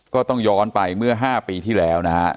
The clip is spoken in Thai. ก็ต้องย้อนไปเมื่อ๕ปีที่แล้วนะฮะ